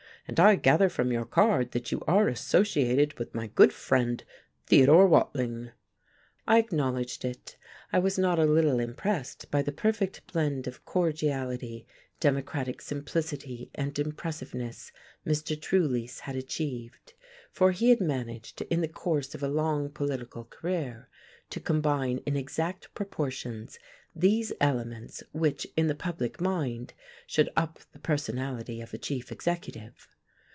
And I gather from your card that you are associated with my good friend, Theodore Watling." I acknowledged it. I was not a little impressed by the perfect blend of cordiality, democratic simplicity and impressiveness Mr. Trulease had achieved. For he had managed, in the course of a long political career, to combine in exact proportions these elements which, in the public mind, should up the personality of a chief executive.